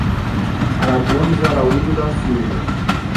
Aragones Araújo da Silva